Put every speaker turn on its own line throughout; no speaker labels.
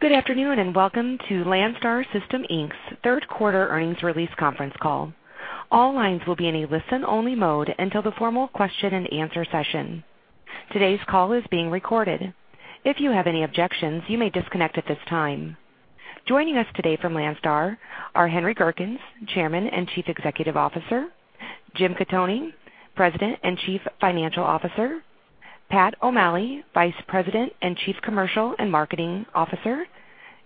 Good afternoon and welcome to Landstar System Inc.'s third quarter earnings release conference call. All lines will be in a listen-only mode until the formal question-and-answer session. Today's call is being recorded. If you have any objections, you may disconnect at this time. Joining us today from Landstar are Henry Gerkens, Chairman and Chief Executive Officer. Jim Gattoni, President and Chief Financial Officer. Pat O'Malley, Vice President and Chief Commercial and Marketing Officer.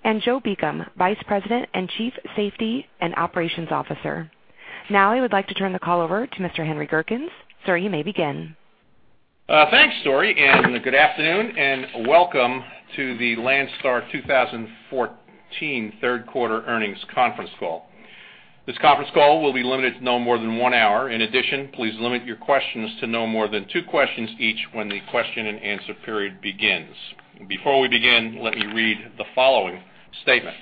and Joe Beacom, Vice President and Chief Safety and Operations Officer. Now I would like to turn the call over to Mr. Henry Gerkens. Sir, you may begin.
Thanks, Dory, and good afternoon, and welcome to the Landstar 2014 third quarter earnings conference call. This conference call will be limited to no more than one hour. In addition, please limit your questions to no more than two questions each when the question-and-answer period begins. Before we begin, let me read the following statement.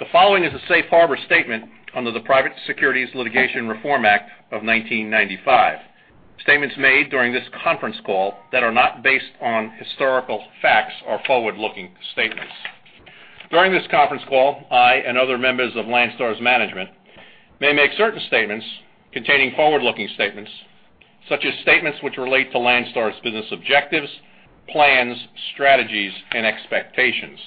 The following is a safe harbor statement under the Private Securities Litigation Reform Act of 1995. Statements made during this conference call that are not based on historical facts are forward-looking statements. During this conference call, I and other members of Landstar's management may make certain statements containing forward-looking statements, such as statements which relate to Landstar's business objectives, plans, strategies, and expectations.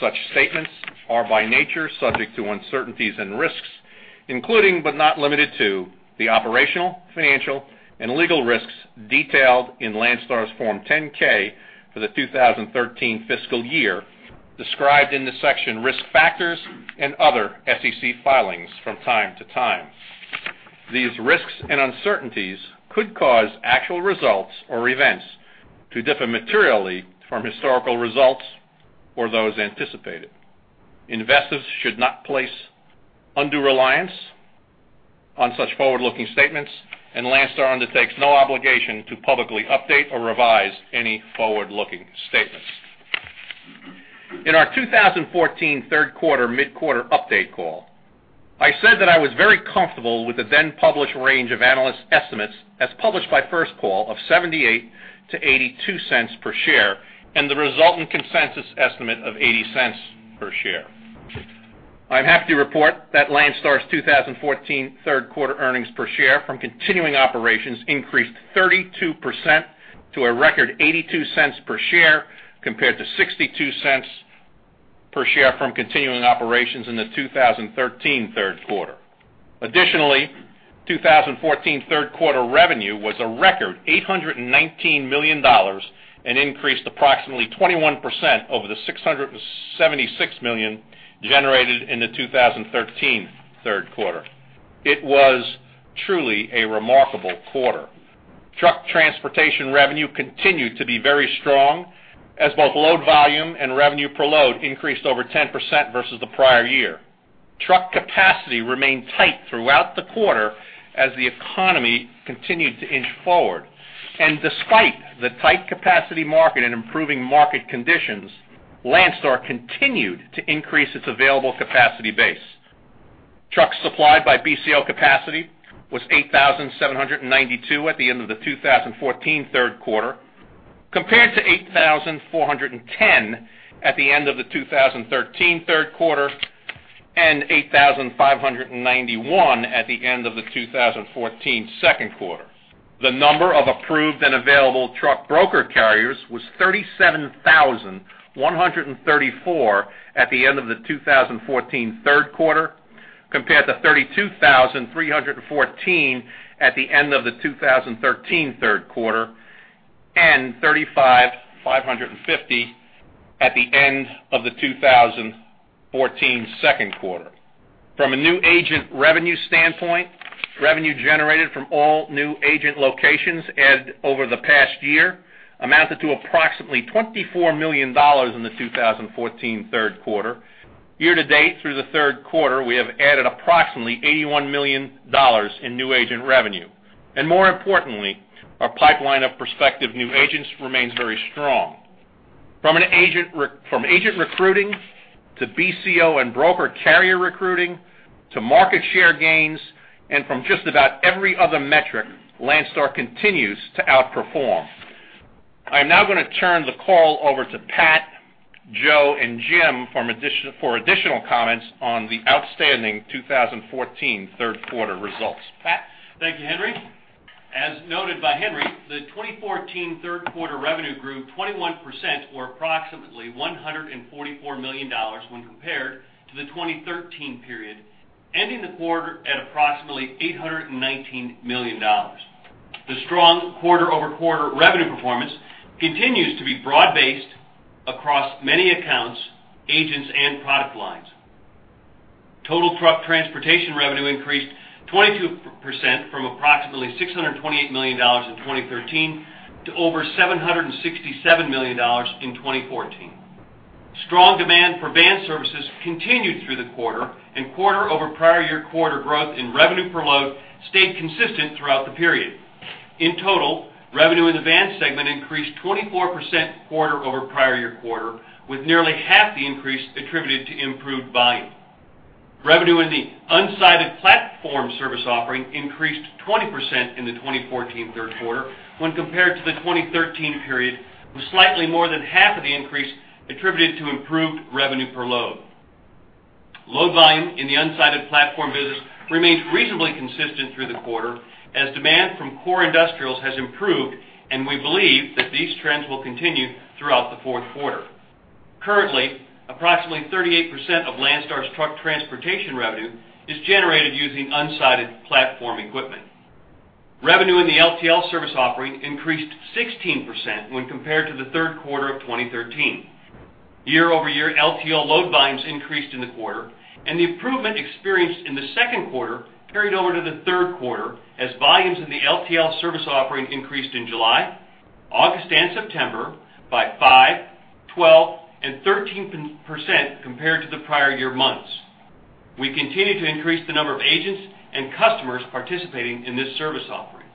Such statements are by nature subject to uncertainties and risks, including but not limited to the operational, financial, and legal risks detailed in Landstar's Form 10-K for the 2013 fiscal year, described in the section Risk Factors and other SEC filings from time to time. These risks and uncertainties could cause actual results or events to differ materially from historical results or those anticipated. Investors should not place undue reliance on such forward-looking statements, and Landstar undertakes no obligation to publicly update or revise any forward-looking statements. In our 2014 third quarter mid-quarter update call, I said that I was very comfortable with the then published range of analyst estimates as published by First Call of $0.78-$0.82 per share and the resultant consensus estimate of $0.80 per share. I'm happy to report that Landstar's 2014 third quarter earnings per share from continuing operations increased 32% to a record $0.82 per share compared to $0.62 per share from continuing operations in the 2013 third quarter. Additionally, 2014 third quarter revenue was a record $819 million and increased approximately 21% over the $676 million generated in the 2013 third quarter. It was truly a remarkable quarter. Truck transportation revenue continued to be very strong as both load volume and revenue per load increased over 10% versus the prior year. Truck capacity remained tight throughout the quarter as the economy continued to inch forward. And despite the tight capacity market and improving market conditions, Landstar continued to increase its available capacity base. Trucks supplied by BCO capacity was 8,792 at the end of the 2014 third quarter compared to 8,410 at the end of the 2013 third quarter and 8,591 at the end of the 2014 second quarter. The number of approved and available truck broker carriers was 37,134 at the end of the 2014 third quarter compared to 32,314 at the end of the 2013 third quarter and 35,550 at the end of the 2014 second quarter. From a new agent revenue standpoint, revenue generated from all new agent locations over the past year amounted to approximately $24 million in the 2014 third quarter. Year to date through the third quarter, we have added approximately $81 million in new agent revenue. More importantly, our pipeline of prospective new agents remains very strong. From agent recruiting to BCO and broker carrier recruiting to market share gains and from just about every other metric, Landstar continues to outperform. I'm now going to turn the call over to Pat, Joe, and Jim for additional comments on the outstanding 2014 third quarter results.
Thank you, Henry. As noted by Henry, the 2014 third quarter revenue grew 21% or approximately $144 million when compared to the 2013 period, ending the quarter at approximately $819 million. The strong quarter-over-quarter revenue performance continues to be broad-based across many accounts, agents, and product lines. Total truck transportation revenue increased 22% from approximately $628 million in 2013 to over $767 million in 2014. Strong demand for van services continued through the quarter, and quarter-over-prior-year-quarter growth in revenue per load stayed consistent throughout the period. In total, revenue in the van segment increased 24% quarter-over-prior-year-quarter, with nearly half the increase attributed to improved volume. Revenue in the Unsided Platform service offering increased 20% in the 2014 third quarter when compared to the 2013 period, with slightly more than half of the increase attributed to improved revenue per load. Load volume in the Unsided Platform business remained reasonably consistent through the quarter as demand from core industrials has improved, and we believe that these trends will continue throughout the fourth quarter. Currently, approximately 38% of Landstar's truck transportation revenue is generated using Unsided Platform equipment. Revenue in the LTL service offering increased 16% when compared to the third quarter of 2013. Year-over-year LTL load volumes increased in the quarter, and the improvement experienced in the second quarter carried over to the third quarter as volumes in the LTL service offering increased in July, August, and September by 5, 12, and 13% compared to the prior year months. We continue to increase the number of agents and customers participating in this service offering.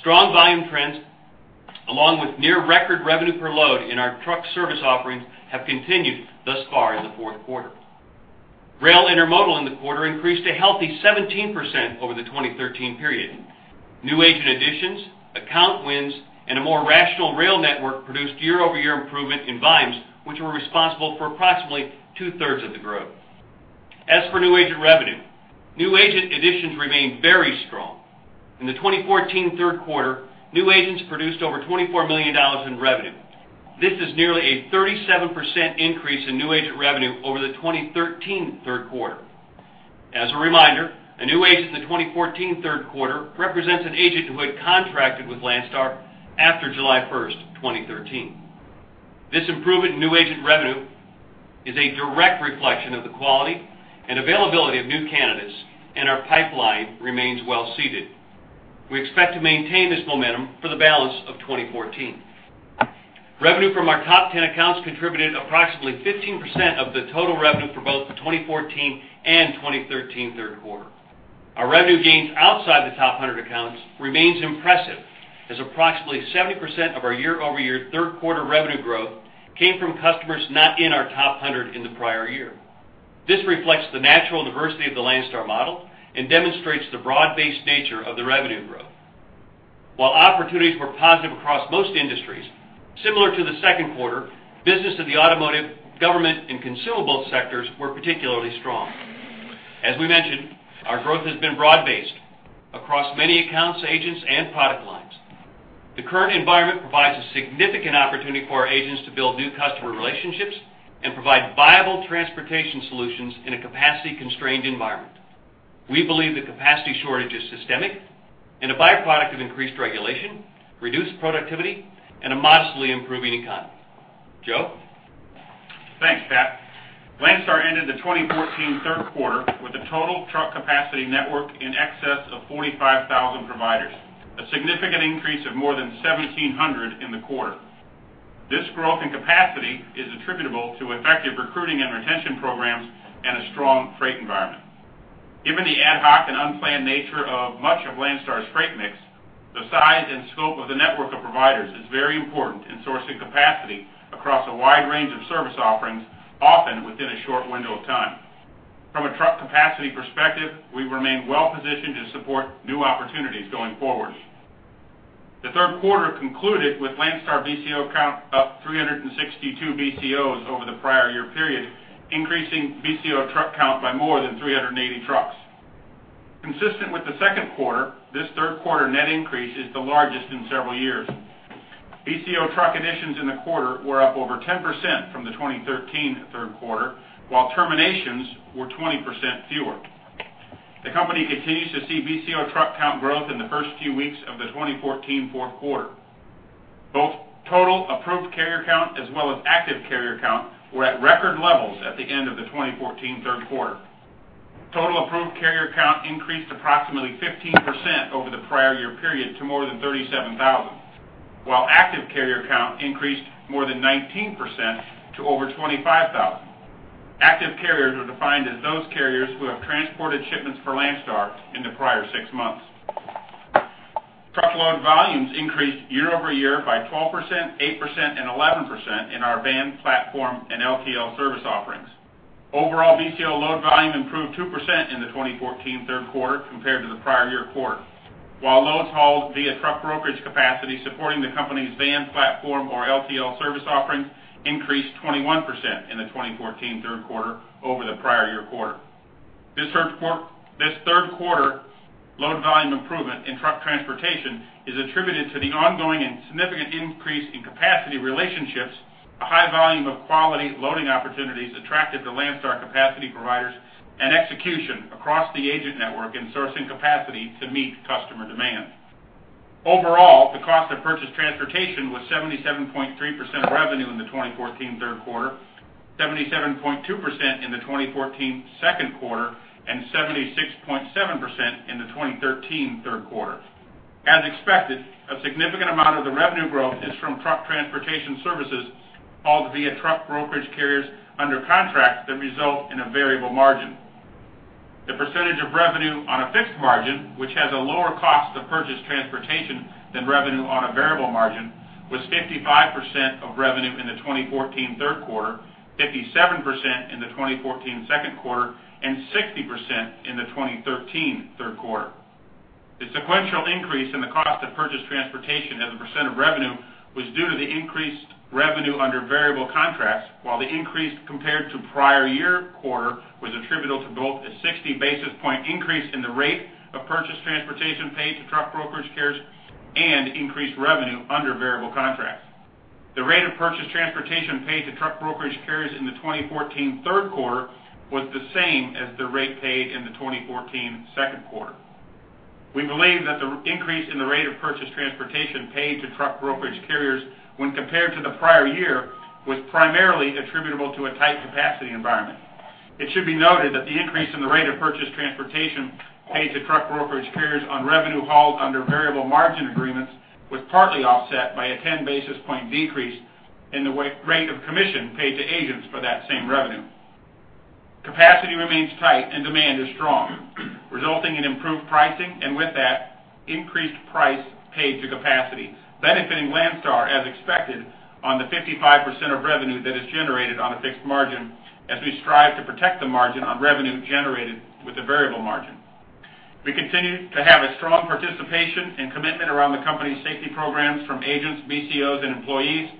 Strong volume trends, along with near-record revenue per load in our truck service offering, have continued thus far in the fourth quarter. Rail Intermodal in the quarter increased a healthy 17% over the 2013 period. New agent additions, account wins, and a more rational rail network produced year-over-year improvement in volumes, which were responsible for approximately two-thirds of the growth. As for new agent revenue, new agent additions remain very strong. In the 2014 third quarter, new agents produced over $24 million in revenue. This is nearly a 37% increase in new agent revenue over the 2013 third quarter. As a reminder, a new agent in the 2014 third quarter represents an agent who had contracted with Landstar after July 1st, 2013. This improvement in new agent revenue is a direct reflection of the quality and availability of new candidates, and our pipeline remains well-seeded. We expect to maintain this momentum for the balance of 2014. Revenue from our top 10 accounts contributed approximately 15% of the total revenue for both the 2014 and 2013 third quarter. Our revenue gains outside the top 100 accounts remain impressive as approximately 70% of our year-over-year third quarter revenue growth came from customers not in our top 100 in the prior year. This reflects the natural diversity of the Landstar model and demonstrates the broad-based nature of the revenue growth. While opportunities were positive across most industries, similar to the second quarter, business in the automotive, government, and consumable sectors were particularly strong. As we mentioned, our growth has been broad-based across many accounts, agents, and product lines. The current environment provides a significant opportunity for our agents to build new customer relationships and provide viable transportation solutions in a capacity-constrained environment. We believe the capacity shortage is systemic and a byproduct of increased regulation, reduced productivity, and a modestly improving economy. Joe?
Thanks, Pat. Landstar ended the 2014 third quarter with a total truck capacity network in excess of 45,000 providers, a significant increase of more than 1,700 in the quarter. This growth in capacity is attributable to effective recruiting and retention programs and a strong freight environment. Given the ad hoc and unplanned nature of much of Landstar's freight mix, the size and scope of the network of providers is very important in sourcing capacity across a wide range of service offerings, often within a short window of time. From a truck capacity perspective, we remain well-positioned to support new opportunities going forward. The third quarter concluded with Landstar BCO count up 362 BCOs over the prior year period, increasing BCO truck count by more than 380 trucks. Consistent with the second quarter, this third quarter net increase is the largest in several years. BCO truck additions in the quarter were up over 10% from the 2013 third quarter, while terminations were 20% fewer. The company continues to see BCO truck count growth in the first few weeks of the 2014 fourth quarter. Both total approved carrier count as well as active carrier count were at record levels at the end of the 2014 third quarter. Total approved carrier count increased approximately 15% over the prior year period to more than 37,000, while active carrier count increased more than 19% to over 25,000. Active carriers are defined as those carriers who have transported shipments for Landstar in the prior six months. Truckload volumes increased year-over-year by 12%, 8%, and 11% in our van platform and LTL service offerings. Overall, BCO load volume improved 2% in the 2014 third quarter compared to the prior year quarter, while loads hauled via truck brokerage capacity supporting the company's van platform or LTL service offerings increased 21% in the 2014 third quarter over the prior year quarter. This third quarter load volume improvement in truck transportation is attributed to the ongoing and significant increase in capacity relationships, a high volume of quality loading opportunities attractive to Landstar capacity providers, and execution across the agent network in sourcing capacity to meet customer demand. Overall, the cost of purchased transportation was 77.3% revenue in the 2014 third quarter, 77.2% in the 2014 second quarter, and 76.7% in the 2013 third quarter. As expected, a significant amount of the revenue growth is from truck transportation services hauled via truck brokerage carriers under contract that result in a variable margin. The percentage of revenue on a fixed margin, which has a lower cost of purchased transportation than revenue on a variable margin, was 55% of revenue in the 2014 third quarter, 57% in the 2014 second quarter, and 60% in the 2013 third quarter. The sequential increase in the cost of purchased transportation as a percent of revenue was due to the increased revenue under variable contracts, while the increase compared to prior year quarter was attributable to both a 60 basis point increase in the rate of purchased transportation paid to truck brokerage carriers and increased revenue under variable contracts. The rate of purchased transportation paid to truck brokerage carriers in the 2014 third quarter was the same as the rate paid in the 2014 second quarter. We believe that the increase in the rate of purchased transportation paid to truck brokerage carriers when compared to the prior year was primarily attributable to a tight capacity environment. It should be noted that the increase in the rate of purchased transportation paid to truck brokerage carriers on revenue hauled under variable margin agreements was partly offset by a 10 basis point decrease in the rate of commission paid to agents for that same revenue. Capacity remains tight and demand is strong, resulting in improved pricing and, with that, increased price paid to capacity, benefiting Landstar as expected on the 55% of revenue that is generated on a fixed margin as we strive to protect the margin on revenue generated with a variable margin. We continue to have a strong participation and commitment around the company's safety programs from agents, BCOs, and employees.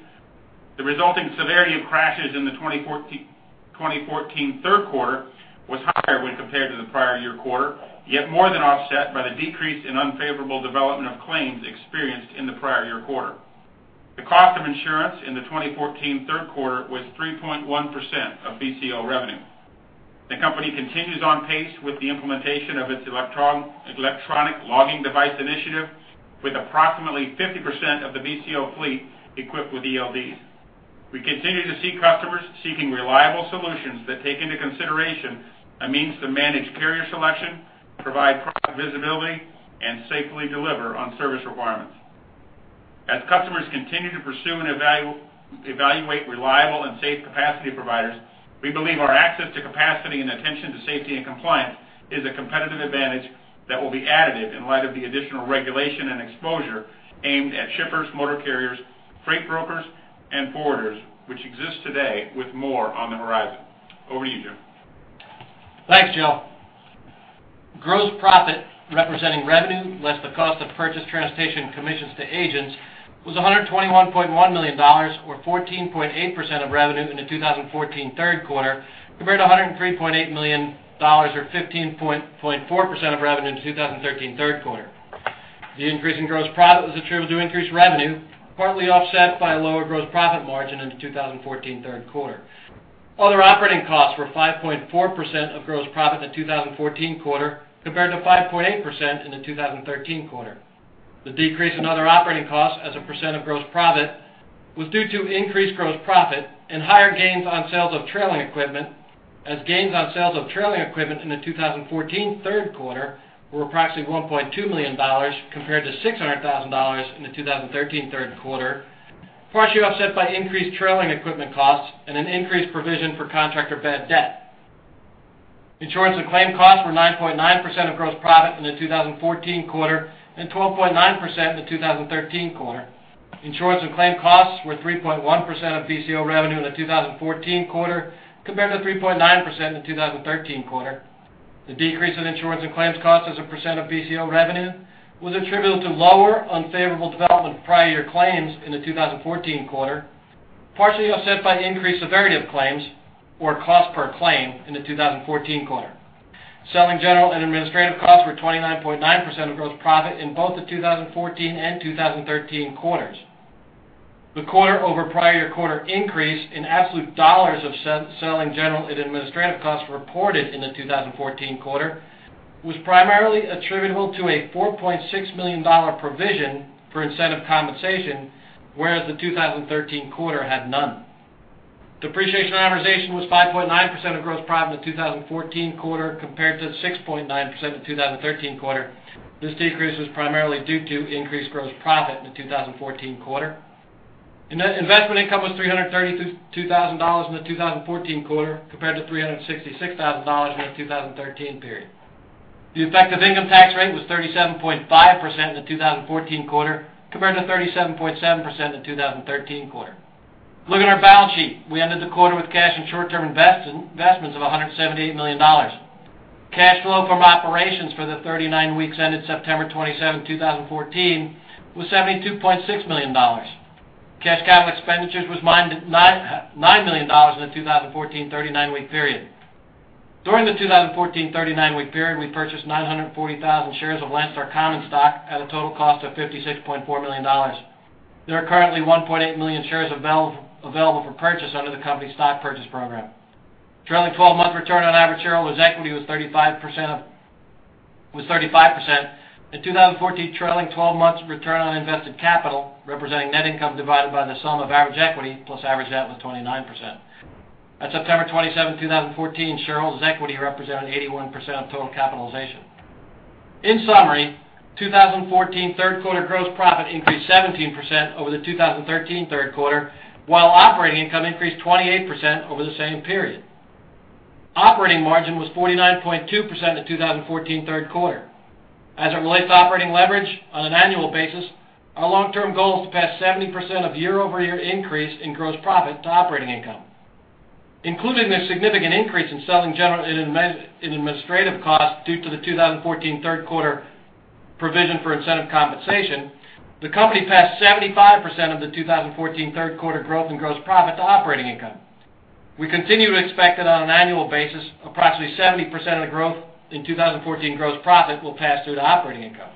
The resulting severity of crashes in the 2014 third quarter was higher when compared to the prior year quarter, yet more than offset by the decrease in unfavorable development of claims experienced in the prior year quarter. The cost of insurance in the 2014 third quarter was 3.1% of BCO revenue. The company continues on pace with the implementation of its electronic logging device initiative, with approximately 50% of the BCO fleet equipped with ELDs. We continue to see customers seeking reliable solutions that take into consideration a means to manage carrier selection, provide product visibility, and safely deliver on service requirements. As customers continue to pursue and evaluate reliable and safe capacity providers, we believe our access to capacity and attention to safety and compliance is a competitive advantage that will be additive in light of the additional regulation and exposure aimed at shippers, motor carriers, freight brokers, and forwarders, which exists today, with more on the horizon. Over to you, Jim.
Thanks, Joe. Gross profit representing revenue less the cost of purchased transportation commissions to agents was $121.1 million, or 14.8% of revenue in the 2014 third quarter, compared to $103.8 million, or 15.4% of revenue in the 2013 third quarter. The increase in gross profit was attributable to increased revenue, partly offset by a lower gross profit margin in the 2014 third quarter. Other operating costs were 5.4% of gross profit in the 2014 quarter, compared to 5.8% in the 2013 quarter. The decrease in other operating costs as a percent of gross profit was due to increased gross profit and higher gains on sales of trailer equipment, as gains on sales of trailer equipment in the 2014 third quarter were approximately $1.2 million, compared to $600,000 in the 2013 third quarter, partially offset by increased trailer equipment costs and an increased provision for contractor bad debt. Insurance and claim costs were 9.9% of gross profit in the 2014 quarter and 12.9% in the 2013 quarter. Insurance and claim costs were 3.1% of BCO revenue in the 2014 quarter, compared to 3.9% in the 2013 quarter. The decrease in insurance and claims costs as a percent of BCO revenue was attributable to lower unfavorable development of prior year claims in the 2014 quarter, partially offset by increased severity of claims or cost per claim in the 2014 quarter. Selling general and administrative costs were 29.9% of gross profit in both the 2014 and 2013 quarters. The quarter-over-prior-year-quarter increase in absolute dollars of selling general and administrative costs reported in the 2014 quarter was primarily attributable to a $4.6 million provision for incentive compensation, whereas the 2013 quarter had none. Depreciation amortization was 5.9% of Gross Profit in the 2014 quarter, compared to 6.9% in the 2013 quarter. This decrease was primarily due to increased Gross Profit in the 2014 quarter. Investment income was $332,000 in the 2014 quarter, compared to $366,000 in the 2013 period. The effective income tax rate was 37.5% in the 2014 quarter, compared to 37.7% in the 2013 quarter. Looking at our balance sheet, we ended the quarter with cash and short-term investments of $178 million. Cash flow from operations for the 39 weeks ended September 27, 2014, was $72.6 million. Cash capital expenditures was $9 million in the 2014 39-week period. During the 2014 39-week period, we purchased 940,000 shares of Landstar Common Stock at a total cost of $56.4 million. There are currently 1.8 million shares available for purchase under the company's stock purchase program. Trailing 12-month return on average shareholders' equity was 35%. In 2014, trailing 12-month return on invested capital, representing net income divided by the sum of average equity plus average debt, was 29%. At September 27, 2014, shareholders' equity represented 81% of total capitalization. In summary, 2014 third quarter gross profit increased 17% over the 2013 third quarter, while operating income increased 28% over the same period. Operating margin was 49.2% in the 2014 third quarter. As it relates to operating leverage on an annual basis, our long-term goal is to pass 70% of year-over-year increase in gross profit to operating income. Including this significant increase in selling general and administrative costs due to the 2014 third quarter provision for incentive compensation, the company passed 75% of the 2014 third quarter growth in gross profit to operating income. We continue to expect that on an annual basis, approximately 70% of the growth in 2014 gross profit will pass through to operating income.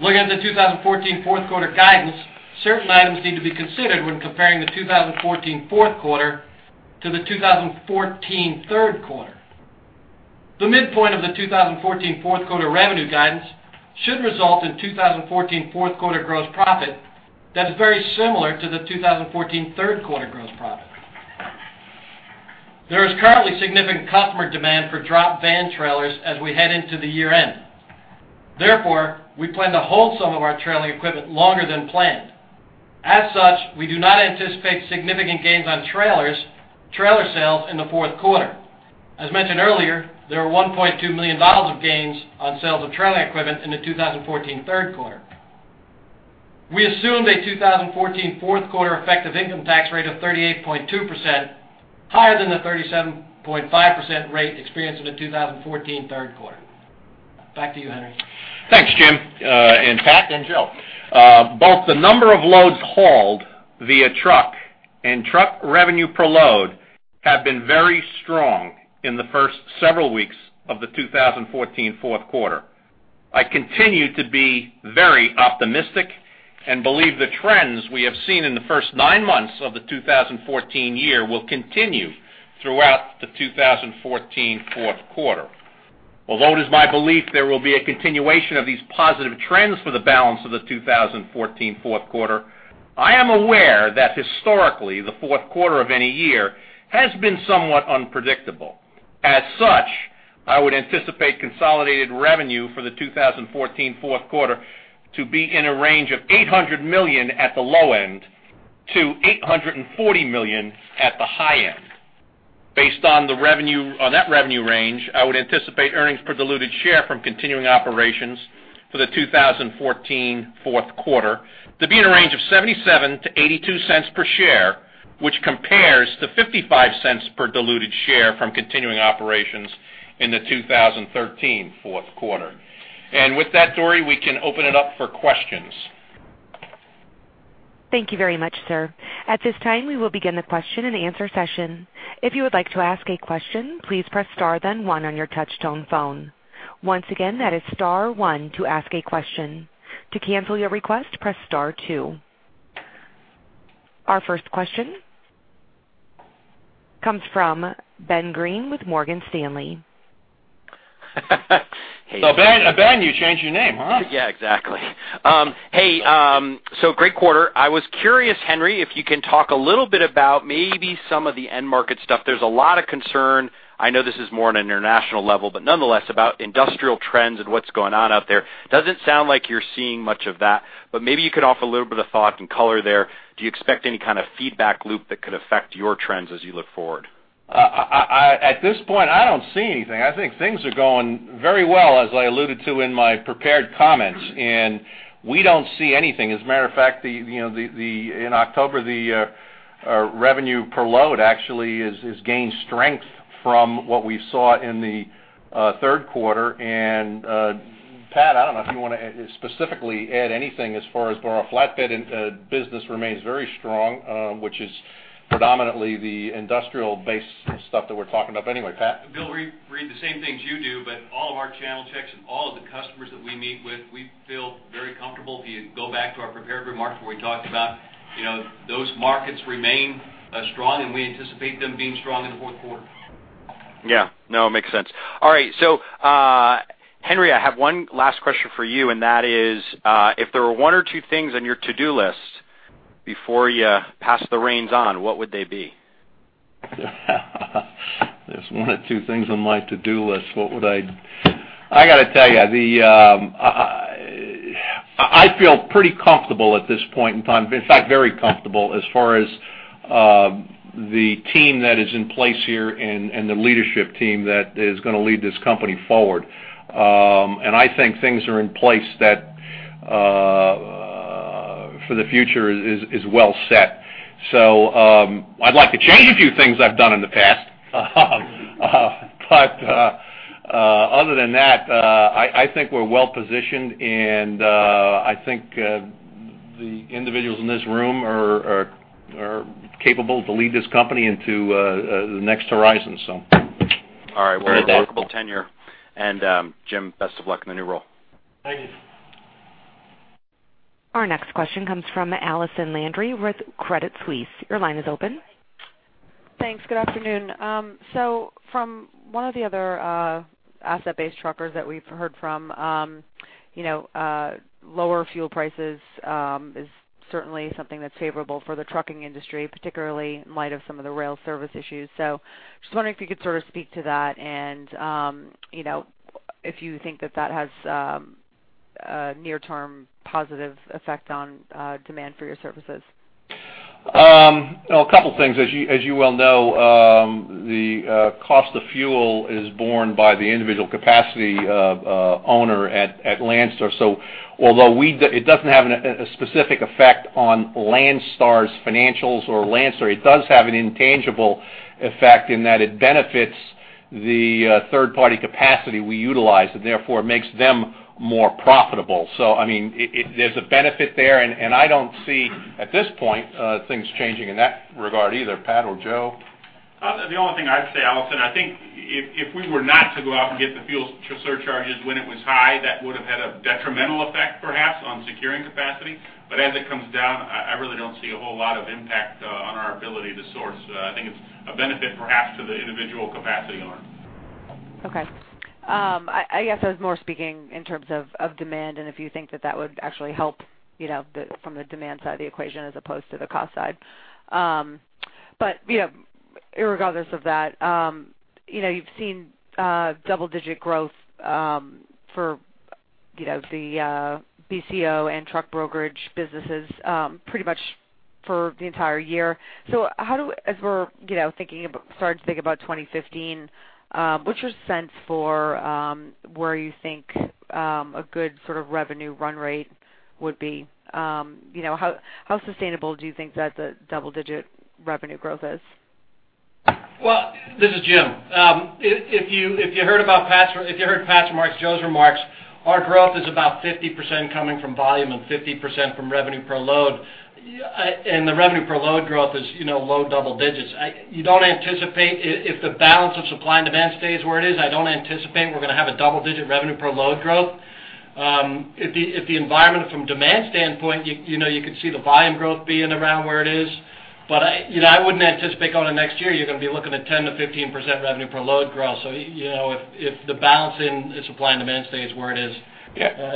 Looking at the 2014 fourth quarter guidance, certain items need to be considered when comparing the 2014 fourth quarter to the 2014 third quarter. The midpoint of the 2014 fourth quarter revenue guidance should result in 2014 fourth quarter gross profit that is very similar to the 2014 third quarter gross profit. There is currently significant customer demand for drop van trailers as we head into the year-end. Therefore, we plan to hold some of our trailing equipment longer than planned. As such, we do not anticipate significant gains on trailer sales in the fourth quarter. As mentioned earlier, there are $1.2 million of gains on sales of trailer equipment in the 2014 third quarter. We assume a 2014 fourth quarter effective income tax rate of 38.2%, higher than the 37.5% rate experienced in the 2014 third quarter. Back to you, Henry.
Thanks, Jim. Pat and Joe. Both the number of loads hauled via truck and truck revenue per load have been very strong in the first several weeks of the 2014 fourth quarter. I continue to be very optimistic and believe the trends we have seen in the first 9 months of the 2014 year will continue throughout the 2014 fourth quarter. Although it is my belief there will be a continuation of these positive trends for the balance of the 2014 fourth quarter, I am aware that historically the fourth quarter of any year has been somewhat unpredictable. As such, I would anticipate consolidated revenue for the 2014 fourth quarter to be in a range of $800 million-$840 million. Based on that revenue range, I would anticipate earnings per diluted share from continuing operations for the 2014 fourth quarter to be in a range of $0.77-$0.82 per share, which compares to $0.55 per diluted share from continuing operations in the 2013 fourth quarter. With that, Dory, we can open it up for questions.
Thank you very much, sir. At this time, we will begin the question and answer session. If you would like to ask a question, please press Star then 1 on your touch-tone phone. Once again, that is Star 1 to ask a question. To cancel your request, press Star 2. Our first question comes from Ben Greene with Morgan Stanley.
So Ben, you changed your name, huh?
Yeah, exactly. Hey, so great quarter. I was curious, Henry, if you can talk a little bit about maybe some of the end market stuff. There's a lot of concern. I know this is more on an international level, but nonetheless, about industrial trends and what's going on out there. Doesn't sound like you're seeing much of that, but maybe you could offer a little bit of thought and color there. Do you expect any kind of feedback loop that could affect your trends as you look forward?
At this point, I don't see anything. I think things are going very well, as I alluded to in my prepared comments, and we don't see anything. As a matter of fact, in October, the revenue per load actually has gained strength from what we saw in the third quarter. And Pat, I don't know if you want to specifically add anything as far as brokered flatbed, and business remains very strong, which is predominantly the industrial-based stuff that we're talking about. But anyway, Pat.
Bill, we read the same things you do, but all of our channel checks and all of the customers that we meet with, we feel very comfortable if you go back to our prepared remarks where we talked about those markets remain strong, and we anticipate them being strong in the fourth quarter.
Yeah. No, it makes sense. All right. So Henry, I have one last question for you, and that is if there were one or two things on your to-do list before you pass the reins on, what would they be?
There's one or two things on my to-do list. What would I—I got to tell you, I feel pretty comfortable at this point in time, in fact, very comfortable as far as the team that is in place here and the leadership team that is going to lead this company forward. I think things are in place that for the future is well set. I'd like to change a few things I've done in the past. Other than that, I think we're well positioned, and I think the individuals in this room are capable to lead this company into the next horizon, so.
All right. Well, we'll wrap up the tenure. Jim, best of luck in the new role.
Thank you.
Our next question comes from Allison Landry with Credit Suisse. Your line is open. Thanks. Good afternoon. So from one of the other asset-based truckers that we've heard from, lower fuel prices is certainly something that's favorable for the trucking industry, particularly in light of some of the rail service issues. So just wondering if you could sort of speak to that and if you think that that has a near-term positive effect on demand for your services?
A couple of things. As you well know, the cost of fuel is borne by the individual capacity owner at Landstar. So although it doesn't have a specific effect on Landstar's financials or Landstar, it does have an intangible effect in that it benefits the third-party capacity we utilize and therefore makes them more profitable. So I mean, there's a benefit there, and I don't see at this point things changing in that regard either. Pat or Joe?
The only thing I'd say, Allison, I think if we were not to go out and get the fuel surcharges when it was high, that would have had a detrimental effect perhaps on securing capacity. But as it comes down, I really don't see a whole lot of impact on our ability to source. I think it's a benefit perhaps to the individual capacity owner.
Okay. I guess I was more speaking in terms of demand and if you think that that would actually help from the demand side of the equation as opposed to the cost side. But irregardless of that, you've seen double-digit growth for the BCO and truck brokerage businesses pretty much for the entire year. So as we're starting to think about 2015, what's your sense for where you think a good sort of revenue run rate would be? How sustainable do you think that the double-digit revenue growth is?
Well, this is Jim. If you heard about Pat's remarks, Joe's remarks, our growth is about 50% coming from volume and 50% from revenue per load. And the revenue per load growth is low double digits. If the balance of supply and demand stays where it is, I don't anticipate we're going to have a double-digit revenue per load growth. If the environment from demand standpoint, you could see the volume growth being around where it is. But I wouldn't anticipate going to next year, you're going to be looking at 10%-15% revenue per load growth. So if the balance in supply and demand stays where it is,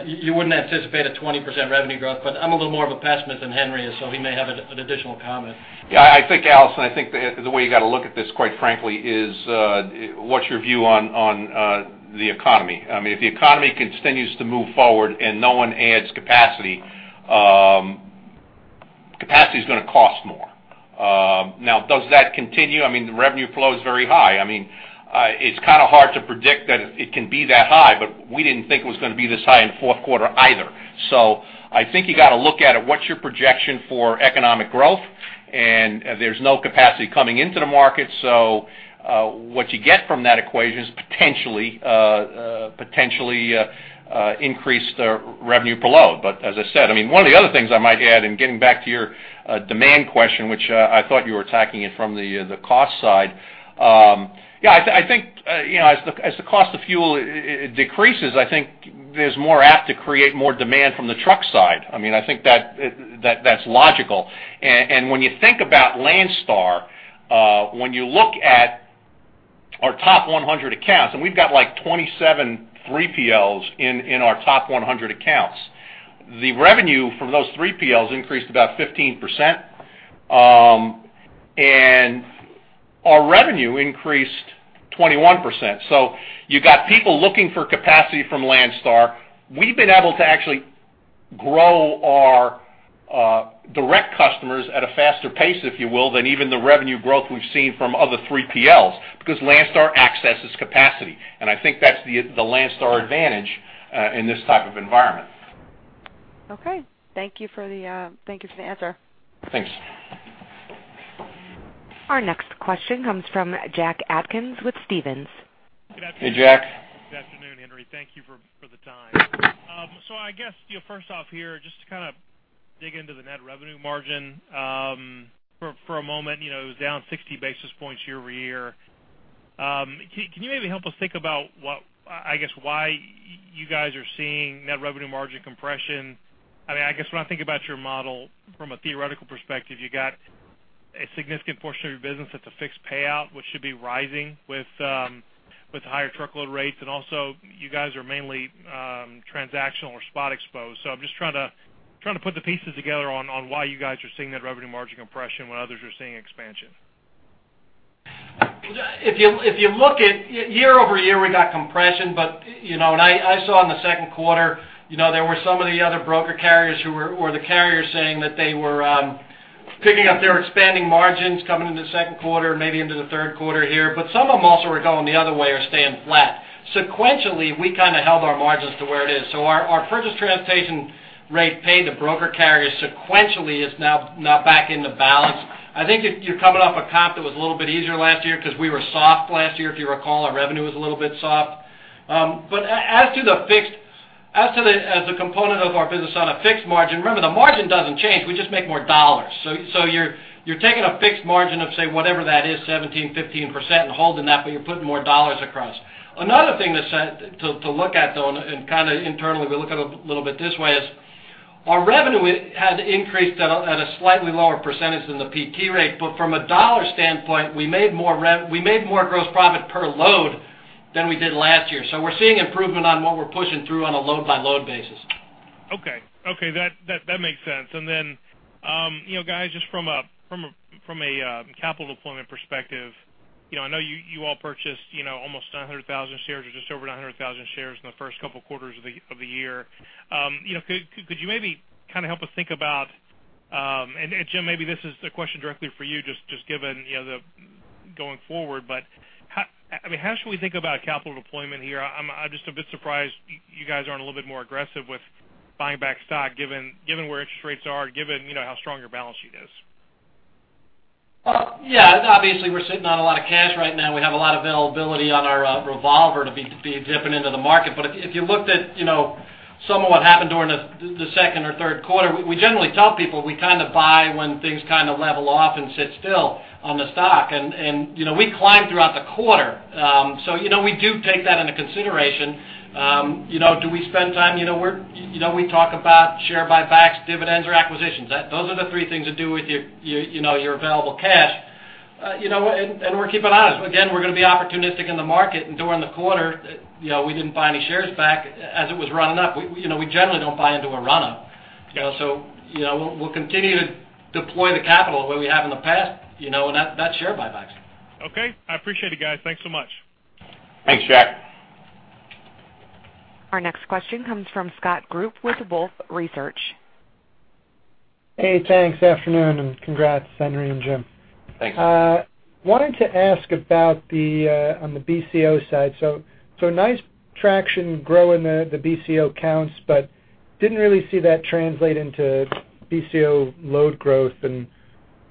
you wouldn't anticipate a 20% revenue growth. But I'm a little more of a pessimist than Henry, so he may have an additional comment.
Yeah. I think, Allison, I think the way you got to look at this, quite frankly, is what's your view on the economy? I mean, if the economy continues to move forward and no one adds capacity, capacity is going to cost more. Now, does that continue? I mean, the revenue flow is very high. I mean, it's kind of hard to predict that it can be that high, but we didn't think it was going to be this high in the fourth quarter either. So I think you got to look at it. What's your projection for economic growth? And there's no capacity coming into the market, so what you get from that equation is potentially increased revenue per load. But as I said, I mean, one of the other things I might add, and getting back to your demand question, which I thought you were attacking it from the cost side, yeah, I think as the cost of fuel decreases, I think there's more apt to create more demand from the truck side. I mean, I think that's logical. And when you think about Landstar, when you look at our top 100 accounts, and we've got like 27 3PLs in our top 100 accounts. The revenue from those 3PLs increased about 15%, and our revenue increased 21%. So you got people looking for capacity from Landstar. We've been able to actually grow our direct customers at a faster pace, if you will, than even the revenue growth we've seen from other 3PLs because Landstar accesses capacity. And I think that's the Landstar advantage in this type of environment.
Okay. Thank you for the answer.
Thanks.
Our next question comes from Jack Atkins with Stephens.
Hey, Jack.
Good afternoon, Henry. Thank you for the time. So I guess first off here, just to kind of dig into the net revenue margin for a moment. It was down 60 basis points year-over-year. Can you maybe help us think about, I guess, why you guys are seeing net revenue margin compression? I mean, I guess when I think about your model from a theoretical perspective, you got a significant portion of your business that's a fixed payout, which should be rising with higher truckload rates. And also, you guys are mainly transactional or spot exposed. So I'm just trying to put the pieces together on why you guys are seeing that revenue margin compression when others are seeing expansion.
If you look at year-over-year, we got compression, but I saw in the second quarter, there were some of the other broker carriers who were the carriers saying that they were picking up their expanding margins coming into the second quarter and maybe into the third quarter here. But some of them also were going the other way or staying flat. Sequentially, we kind of held our margins to where it is. So our purchase transportation rate paid to broker carriers sequentially is now back in the balance. I think you're coming off a comp that was a little bit easier last year because we were soft last year. If you recall, our revenue was a little bit soft. But as to the component of our business on a fixed margin, remember, the margin doesn't change. We just make more dollars. So you're taking a fixed margin of, say, whatever that is, 17, 15% and holding that, but you're putting more dollars across. Another thing to look at, though, and kind of internally, we look at it a little bit this way, is our revenue had increased at a slightly lower percentage than the PT rate. But from a dollar standpoint, we made more gross profit per load than we did last year. So we're seeing improvement on what we're pushing through on a load-by-load basis.
Okay. Okay. That makes sense. And then, guys, just from a capital deployment perspective, I know you all purchased almost 900,000 shares or just over 900,000 shares in the first couple of quarters of the year. Could you maybe kind of help us think about, and Jim, maybe this is a question directly for you, just given the going forward, but I mean, how should we think about capital deployment here? I'm just a bit surprised you guys aren't a little bit more aggressive with buying back stock given where interest rates are, given how strong your balance sheet is.
Well, yeah. Obviously, we're sitting on a lot of cash right now. We have a lot of availability on our revolver to be dipping into the market. But if you looked at some of what happened during the second or third quarter, we generally tell people we kind of buy when things kind of level off and sit still on the stock. And we climbed throughout the quarter. So we do take that into consideration. Do we spend time? We talk about share buybacks, dividends, or acquisitions. Those are the three things to do with your available cash. And we're keeping honest. Again, we're going to be opportunistic in the market. And during the quarter, we didn't buy any shares back as it was running up. We generally don't buy into a run-up. We'll continue to deploy the capital the way we have in the past, and that's share buybacks.
Okay. I appreciate it, guys. Thanks so much.
Thanks, Jack.
Our next question comes from Scott Group with Wolfe Research. Hey, thanks. Afternoon, and congrats, Henry and Jim.
Thanks.
Wanted to ask about the on the BCO side. So nice traction, growing the BCO counts, but didn't really see that translate into BCO load growth. And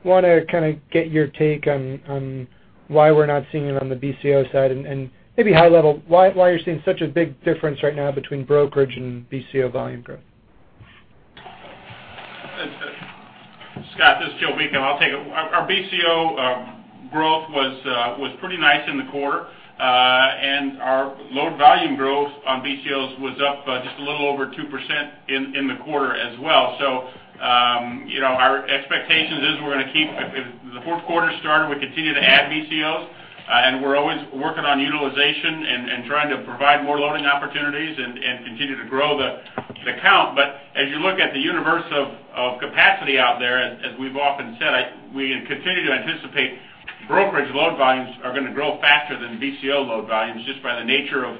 want to kind of get your take on why we're not seeing it on the BCO side and maybe high level why you're seeing such a big difference right now between brokerage and BCO volume growth.
Scott, this is Joe Beacom. I'll take it. Our BCO growth was pretty nice in the quarter, and our load volume growth on BCOs was up just a little over 2% in the quarter as well. So our expectation is we're going to keep the fourth quarter started. We continue to add BCOs, and we're always working on utilization and trying to provide more loading opportunities and continue to grow the count. But as you look at the universe of capacity out there, as we've often said, we continue to anticipate brokerage load volumes are going to grow faster than BCO load volumes just by the nature of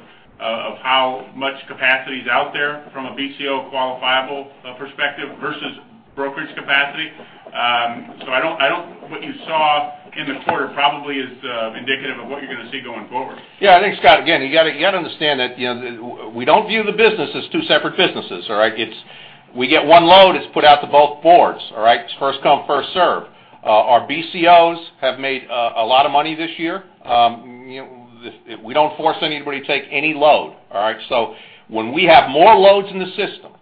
how much capacity is out there from a BCO qualifiable perspective versus brokerage capacity. So I don't. What you saw in the quarter probably is indicative of what you're going to see going forward. Yeah. I think, Scott, again, you got to understand that we don't view the business as two separate businesses, all right? We get one load. It's put out to both boards, all right? It's first come, first served. Our BCOs have made a lot of money this year. We don't force anybody to take any load, all right? So when we have more loads in the system,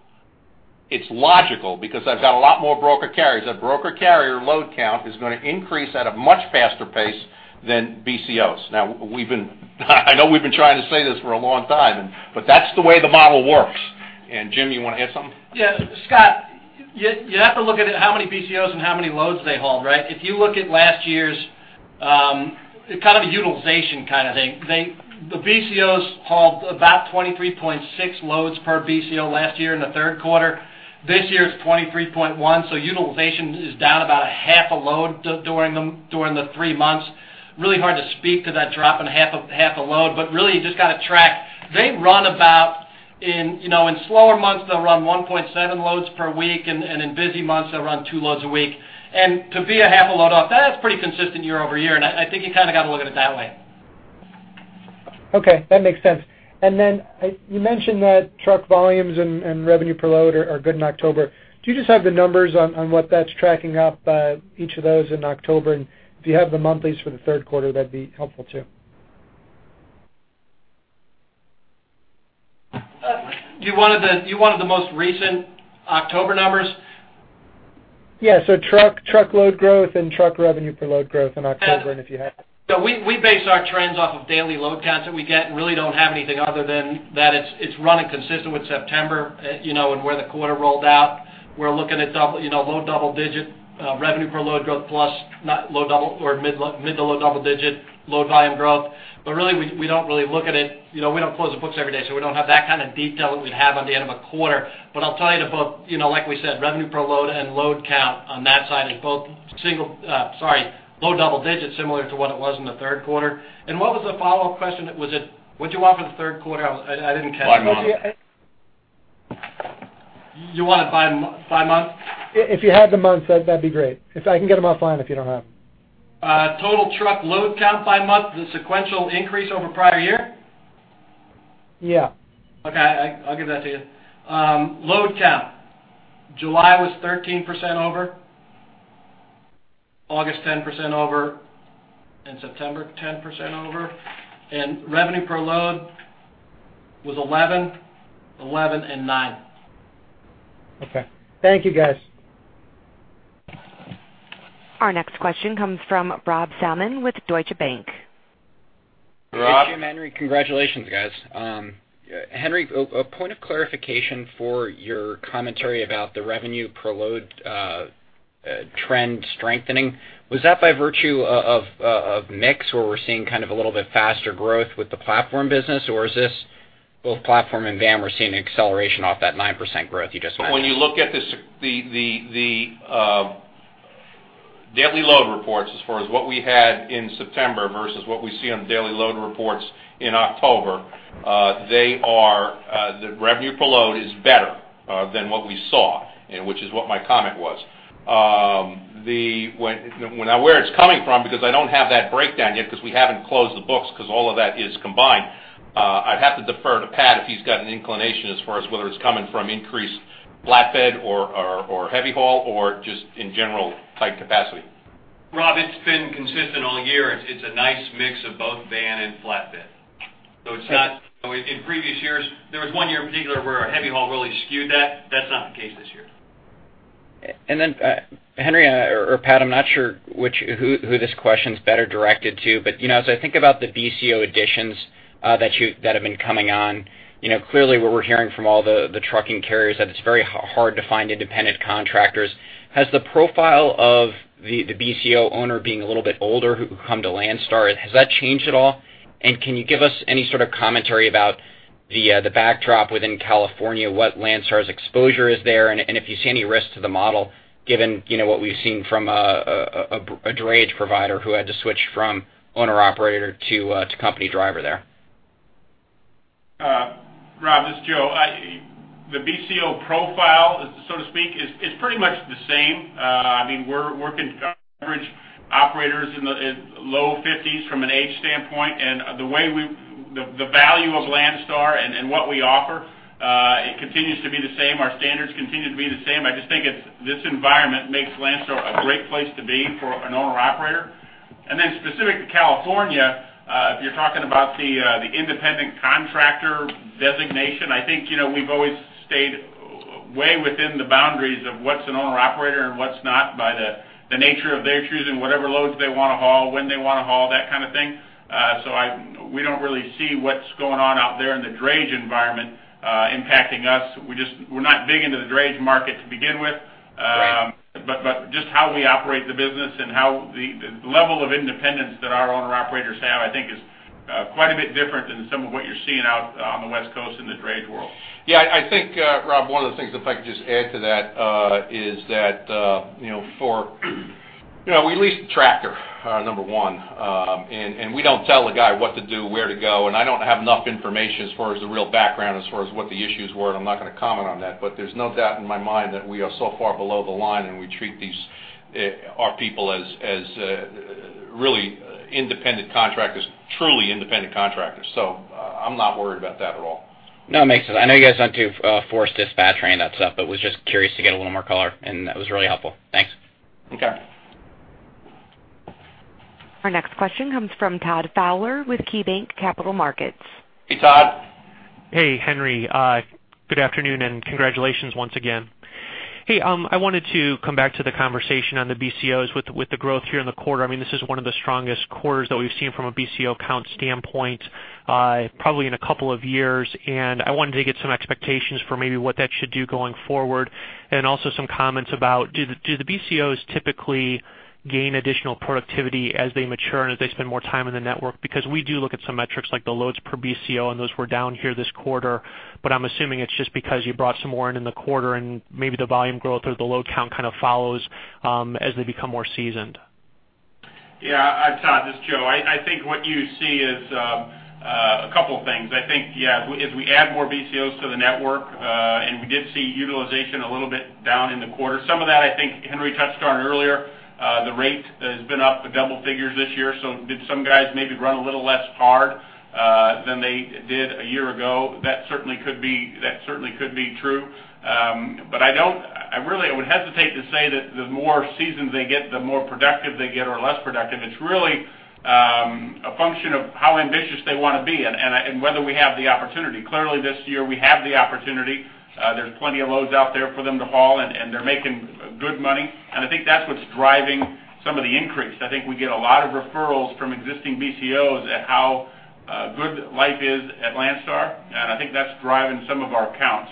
it's logical because I've got a lot more broker carriers. A broker carrier load count is going to increase at a much faster pace than BCOs. Now, I know we've been trying to say this for a long time, but that's the way the model works. And Jim, you want to add something? Yeah. Scott, you have to look at how many BCOs and how many loads they hauled, right? If you look at last year's kind of a utilization kind of thing, the BCOs hauled about 23.6 loads per BCO last year in the third quarter. This year it's 23.1. So utilization is down about a half a load during the 3 months. Really hard to speak to that drop in half a load, but really you just got to track. They run about in slower months, they'll run 1.7 loads per week, and in busy months, they'll run 2 loads a week. And to be a half a load off, that's pretty consistent year over year. And I think you kind of got to look at it that way.
Okay. That makes sense. And then you mentioned that truck volumes and revenue per load are good in October. Do you just have the numbers on what that's tracking up each of those in October? And if you have the monthlies for the third quarter, that'd be helpful too.
Do you want the most recent October numbers?
Yeah. So truck load growth and truck revenue per load growth in October and if you had.
So we base our trends off of daily load counts that we get and really don't have anything other than that it's running consistent with September and where the quarter rolled out. We're looking at low double-digit revenue per load growth plus mid to low double-digit load volume growth. But really, we don't really look at it. We don't close the books every day, so we don't have that kind of detail that we'd have on the end of a quarter. But I'll tell you to both, like we said, revenue per load and load count on that side is both single—sorry, low double-digit similar to what it was in the third quarter. And what was the follow-up question? Was it, "What'd you want for the third quarter?" I didn't catch that.
By month.
You want it by month?
If you had the months, that'd be great. If I can get them offline, if you don't have them.
Total truck load count by month, the sequential increase over prior year?
Yeah.
Okay. I'll give that to you. Load count, July was 13% over, August 10% over, and September 10% over. Revenue per load was 11, 11, and 9.
Okay. Thank you, guys. Our next question comes from Rob Salmon with Deutsche Bank.
Thank you, Henry. Congratulations, guys. Henry, a point of clarification for your commentary about the revenue per load trend strengthening. Was that by virtue of mix where we're seeing kind of a little bit faster growth with the platform business, or is this both platform and VAM are seeing acceleration off that 9% growth you just mentioned? When you look at the daily load reports as far as what we had in September versus what we see on daily load reports in October, the revenue per load is better than what we saw, which is what my comment was. Now, where it's coming from, because I don't have that breakdown yet because we haven't closed the books because all of that is combined, I'd have to defer to Pat if he's got an inclination as far as whether it's coming from increased flatbed or heavy haul or just in general tight capacity. Rob, it's been consistent all year. It's a nice mix of both VAN and flatbed. So in previous years, there was one year in particular where heavy haul really skewed that. That's not the case this year.
And then, Henry or Pat, I'm not sure who this question's better directed to, but as I think about the BCO additions that have been coming on, clearly what we're hearing from all the trucking carriers is that it's very hard to find independent contractors. Has the profile of the BCO owner being a little bit older who come to Landstar, has that changed at all? And can you give us any sort of commentary about the backdrop within California, what Landstar's exposure is there, and if you see any risk to the model given what we've seen from a drayage provider who had to switch from owner-operator to company driver there?
Rob, this is Joe. The BCO profile, so to speak, is pretty much the same. I mean, we're average operators in the low 50s from an age standpoint. The value of Landstar and what we offer, it continues to be the same. Our standards continue to be the same. I just think this environment makes Landstar a great place to be for an owner-operator. Then specific to California, if you're talking about the independent contractor designation, I think we've always stayed way within the boundaries of what's an owner-operator and what's not by the nature of their choosing whatever loads they want to haul, when they want to haul, that kind of thing. We don't really see what's going on out there in the drayage environment impacting us. We're not big into the drayage market to begin with, but just how we operate the business and the level of independence that our owner-operators have, I think, is quite a bit different than some of what you're seeing out on the West Coast in the drayage world.
Yeah. I think, Rob, one of the things if I could just add to that is that for we lease the tractor, number one, and we don't tell the guy what to do, where to go. And I don't have enough information as far as the real background as far as what the issues were, and I'm not going to comment on that, but there's no doubt in my mind that we are so far below the line, and we treat our people as really independent contractors, truly independent contractors. So I'm not worried about that at all.
No, it makes sense. I know you guys aren't too forced dispatch or any of that stuff, but was just curious to get a little more color, and that was really helpful. Thanks.
Okay.
Our next question comes from Todd Fowler with KeyBanc Capital Markets.
Hey, Todd.
Hey, Henry. Good afternoon and congratulations once again. Hey, I wanted to come back to the conversation on the BCOs with the growth here in the quarter. I mean, this is one of the strongest quarters that we've seen from a BCO count standpoint, probably in a couple of years. And I wanted to get some expectations for maybe what that should do going forward and also some comments about do the BCOs typically gain additional productivity as they mature and as they spend more time in the network? Because we do look at some metrics like the loads per BCO, and those were down here this quarter, but I'm assuming it's just because you brought some more in in the quarter and maybe the volume growth or the load count kind of follows as they become more seasoned.
Yeah. Todd, this is Joe. I think what you see is a couple of things. I think, yeah, as we add more BCOs to the network, and we did see utilization a little bit down in the quarter. Some of that, I think Henry touched on earlier, the rate has been up to double figures this year. So did some guys maybe run a little less hard than they did a year ago? That certainly could be; that certainly could be true. But I really would hesitate to say that the more seasoned they get, the more productive they get or less productive. It's really a function of how ambitious they want to be and whether we have the opportunity. Clearly, this year, we have the opportunity. There's plenty of loads out there for them to haul, and they're making good money. I think that's what's driving some of the increase. I think we get a lot of referrals from existing BCOs at how good life is at Landstar, and I think that's driving some of our count.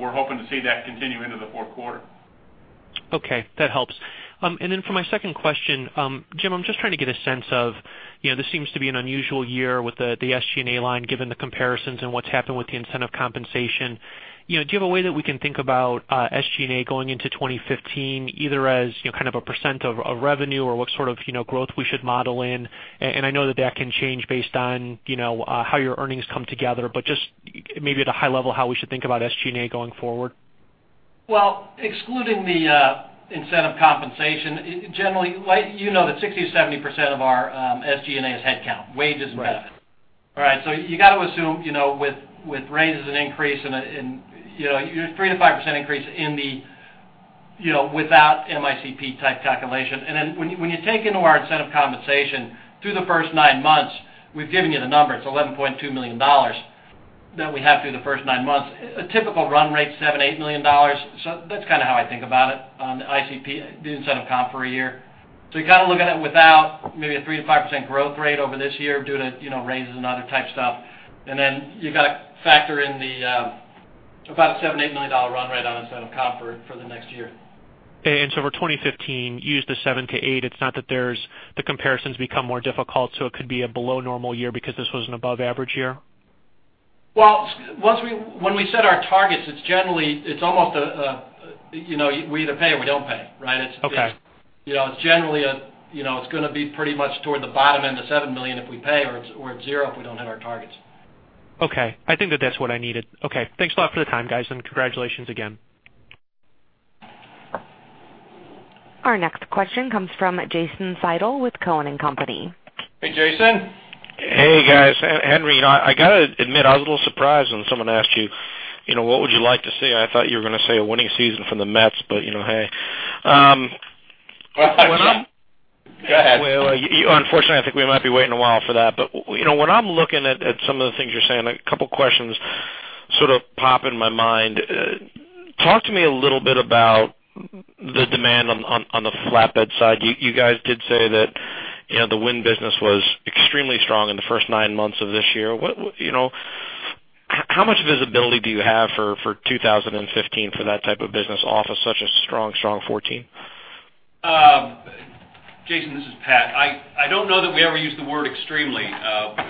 We're hoping to see that continue into the fourth quarter.
Okay. That helps. And then for my second question, Jim, I'm just trying to get a sense of this seems to be an unusual year with the SG&A line given the comparisons and what's happened with the incentive compensation. Do you have a way that we can think about SG&A going into 2015 either as kind of a percent of revenue or what sort of growth we should model in? And I know that that can change based on how your earnings come together, but just maybe at a high level how we should think about SG&A going forward.
Well, excluding the incentive compensation, generally, you know that 60%-70% of our SG&A is headcount, wages and benefits.
Right.
All right. So you got to assume with raises and increases and your 3%-5% increase without MICP-type calculation. And then when you take into our incentive compensation through the first nine months, we've given you the number. It's $11.2 million that we have through the first nine months. A typical run rate, $7-$8 million. So that's kind of how I think about it on the ICP, the incentive comp for a year. So you kind of look at it without maybe a 3%-5% growth rate over this year due to raises and other type stuff. And then you got to factor in about a $7-$8 million run rate on incentive comp for the next year.
So for 2015, you used the 7-8. It's not that the comparisons become more difficult, so it could be a below normal year because this was an above-average year?
Well, when we set our targets, it's generally almost a we either pay or we don't pay, right? It's generally a it's going to be pretty much toward the bottom end, the $7 million if we pay, or it's $0 if we don't hit our targets.
Okay. I think that that's what I needed. Okay. Thanks a lot for the time, guys, and congratulations again. Our next question comes from Jason Seidel with Cowen and Company.
Hey, Jason. Hey, guys. Henry, I got to admit, I was a little surprised when someone asked you, "What would you like to see?" I thought you were going to say a winning season for the Mets, but hey.
When I'm. Go ahead.
Unfortunately, I think we might be waiting a while for that. But when I'm looking at some of the things you're saying, a couple of questions sort of pop in my mind. Talk to me a little bit about the demand on the flatbed side. You guys did say that the wind business was extremely strong in the first nine months of this year. How much visibility do you have for 2015 for that type of business off of such a strong, strong 2014?
Jason, this is Pat. I don't know that we ever used the word extremely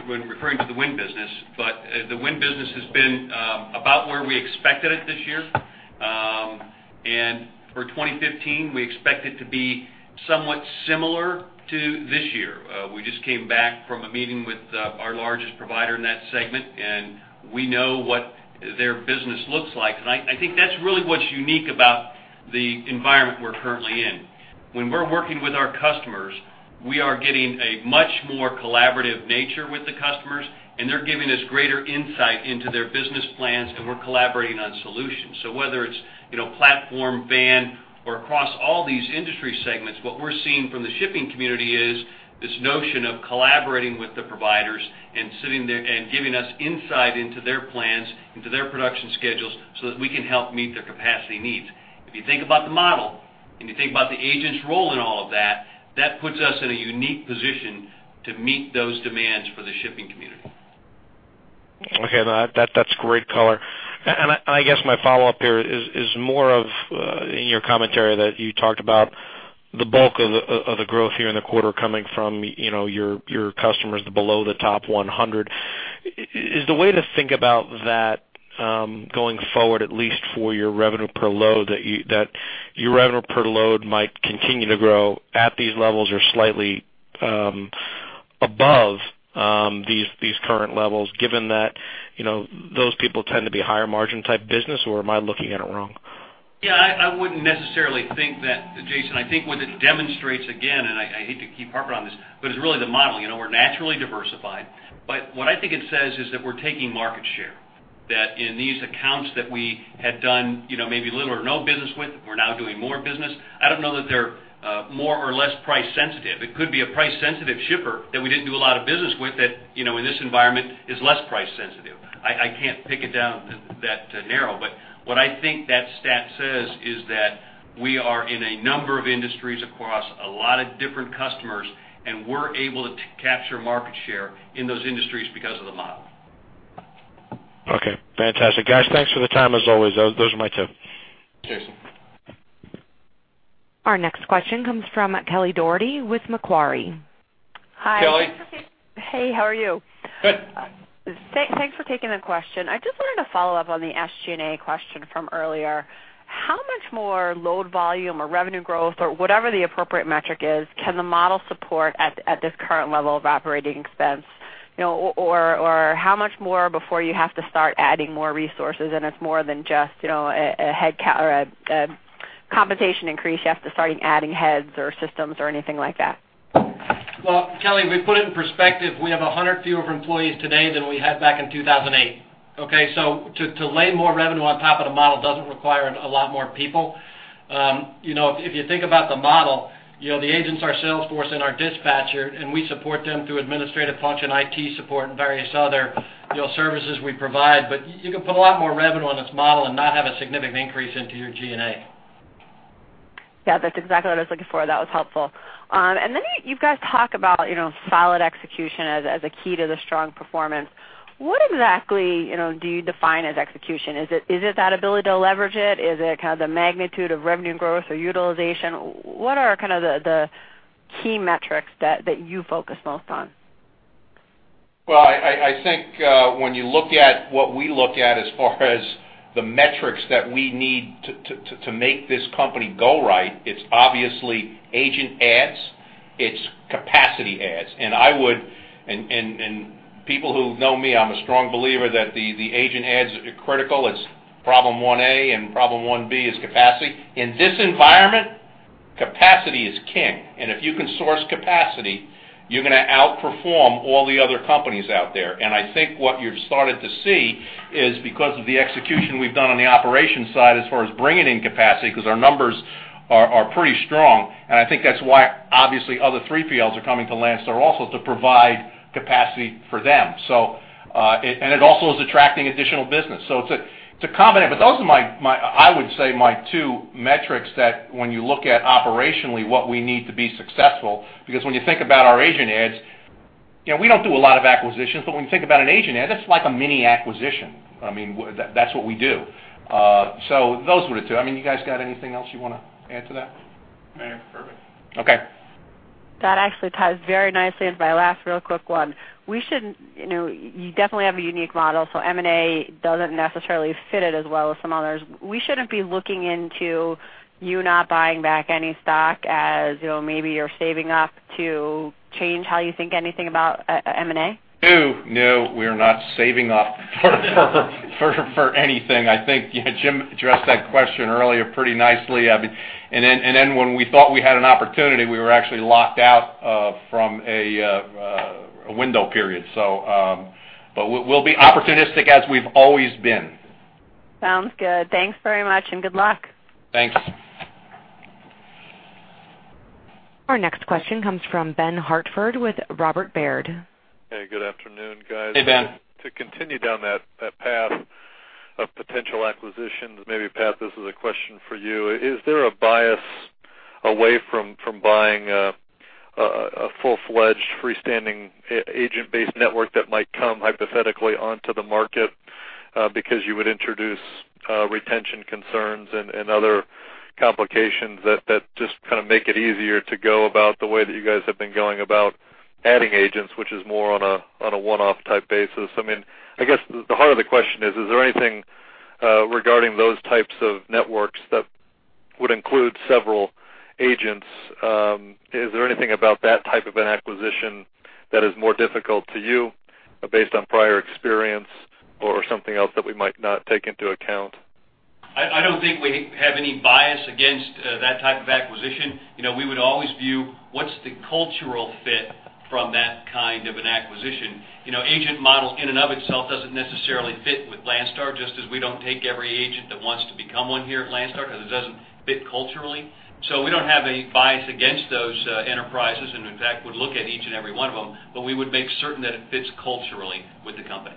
when referring to the wind business, but the wind business has been about where we expected it this year. And for 2015, we expect it to be somewhat similar to this year. We just came back from a meeting with our largest provider in that segment, and we know what their business looks like. And I think that's really what's unique about the environment we're currently in. When we're working with our customers, we are getting a much more collaborative nature with the customers, and they're giving us greater insight into their business plans, and we're collaborating on solutions. Whether it's platform, VAN, or across all these industry segments, what we're seeing from the shipping community is this notion of collaborating with the providers and giving us insight into their plans, into their production schedules so that we can help meet their capacity needs. If you think about the model and you think about the agent's role in all of that, that puts us in a unique position to meet those demands for the shipping community. Okay. That's great color. I guess my follow-up here is more of in your commentary that you talked about the bulk of the growth here in the quarter coming from your customers, the below the top 100. Is the way to think about that going forward, at least for your revenue per load, that your revenue per load might continue to grow at these levels or slightly above these current levels, given that those people tend to be higher margin type business, or am I looking at it wrong? Yeah. I wouldn't necessarily think that, Jason. I think what it demonstrates, again, and I hate to keep harping on this, but it's really the model. We're naturally diversified. But what I think it says is that we're taking market share. That in these accounts that we had done maybe little or no business with, we're now doing more business. I don't know that they're more or less price-sensitive. It could be a price-sensitive shipper that we didn't do a lot of business with that in this environment is less price-sensitive. I can't pin it down that narrow, but what I think that stat says is that we are in a number of industries across a lot of different customers, and we're able to capture market share in those industries because of the model. Okay. Fantastic. Guys, thanks for the time as always. Those are my two. Thanks, Jason.
Our next question comes from Kelly Dougherty with Macquarie.
Hi.
Kelly?
Hey, how are you?
Good.
Thanks for taking the question. I just wanted to follow up on the SG&A question from earlier. How much more load volume or revenue growth or whatever the appropriate metric is, can the model support at this current level of operating expense? Or how much more before you have to start adding more resources and it's more than just a compensation increase after starting adding heads or systems or anything like that?
Well, Kelly, we put it in perspective. We have 100 fewer employees today than we had back in 2008. Okay? So to lay more revenue on top of the model doesn't require a lot more people. If you think about the model, the agents are sales force and our dispatcher, and we support them through administrative function, IT support, and various other services we provide. But you can put a lot more revenue on this model and not have a significant increase into your G&A.
Yeah. That's exactly what I was looking for. That was helpful. And then you guys talk about solid execution as a key to the strong performance. What exactly do you define as execution? Is it that ability to leverage it? Is it kind of the magnitude of revenue growth or utilization? What are kind of the key metrics that you focus most on?
Well, I think when you look at what we look at as far as the metrics that we need to make this company go right, it's obviously agent adds. It's capacity adds. And people who know me, I'm a strong believer that the agent adds are critical. It's problem 1A, and problem 1B is capacity. In this environment, capacity is king. And if you can source capacity, you're going to outperform all the other companies out there. And I think what you've started to see is because of the execution we've done on the operations side as far as bringing in capacity because our numbers are pretty strong. And I think that's why, obviously, other 3PLs are coming to Landstar also to provide capacity for them. And it also is attracting additional business. So it's a combination. But those are my, I would say, my two metrics that when you look at operationally what we need to be successful because when you think about our agent adds, we don't do a lot of acquisitions, but when you think about an agent add, that's like a mini acquisition. I mean, that's what we do. So those were the two. I mean, you guys got anything else you want to add to that?
I think it's perfect.
Okay.
That actually ties very nicely into my last real quick one. You definitely have a unique model, so M&A doesn't necessarily fit it as well as some others. We shouldn't be looking into you not buying back any stock as maybe you're saving up to change how you think anything about M&A?
No. No. We are not saving up for anything. I think Jim addressed that question earlier pretty nicely. And then when we thought we had an opportunity, we were actually locked out from a window period. But we'll be opportunistic as we've always been.
Sounds good. Thanks very much and good luck.
Thanks.
Our next question comes from Ben Hartford with Robert W. Baird.
Hey, good afternoon, guys. Hey, Ben. To continue down that path of potential acquisitions, maybe, Pat, this is a question for you. Is there a bias away from buying a full-fledged, freestanding agent-based network that might come, hypothetically, onto the market because you would introduce retention concerns and other complications that just kind of make it easier to go about the way that you guys have been going about adding agents, which is more on a one-off type basis? I mean, I guess the heart of the question is, is there anything regarding those types of networks that would include several agents? Is there anything about that type of an acquisition that is more difficult to you based on prior experience or something else that we might not take into account? I don't think we have any bias against that type of acquisition. We would always view what's the cultural fit from that kind of an acquisition. Agent model in and of itself doesn't necessarily fit with Landstar, just as we don't take every agent that wants to become one here at Landstar because it doesn't fit culturally. So we don't have any bias against those enterprises and, in fact, would look at each and every one of them, but we would make certain that it fits culturally with the company.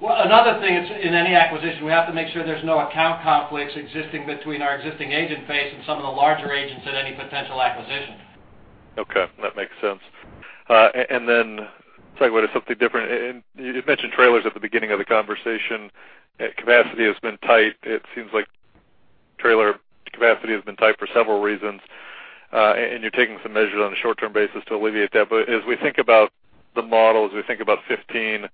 Well, another thing is in any acquisition, we have to make sure there's no account conflicts existing between our existing agent base and some of the larger agents at any potential acquisition. Okay. That makes sense. And then segue to something different. You mentioned trailers at the beginning of the conversation. Capacity has been tight. It seems like trailer capacity has been tight for several reasons, and you're taking some measures on a short-term basis to alleviate that. But as we think about the model, as we think about 2015,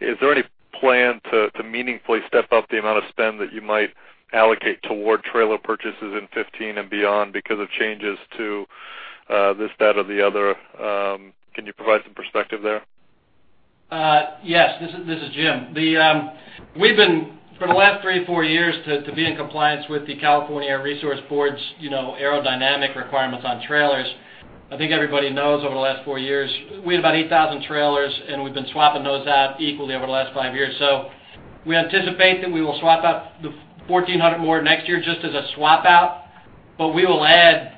is there any plan to meaningfully step up the amount of spend that you might allocate toward trailer purchases in 2015 and beyond because of changes to this, that, or the other? Can you provide some perspective there? Yes. This is Jim. We've been, for the last 3 or 4 years, to be in compliance with the California Air Resources Board's aerodynamic requirements on trailers. I think everybody knows over the last 4 years, we had about 8,000 trailers, and we've been swapping those out equally over the last 5 years. So we anticipate that we will swap out the 1,400 more next year just as a swap out, but we will add